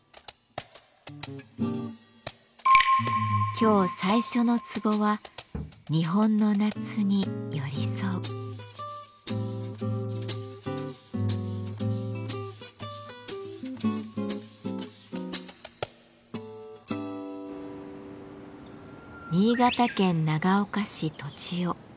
今日最初のツボは新潟県長岡市栃尾。